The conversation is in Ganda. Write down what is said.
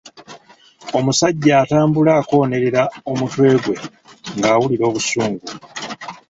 Omusajja atambula akoonerera omutwe gwe ng'awulira obusungu.